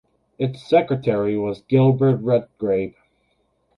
Its secretary was Gilbert Redgrave.